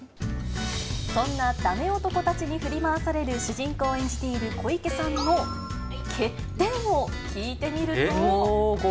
そんなダメ男たちに振り回される主人公を演じている小池さんの欠点を聞いてみると。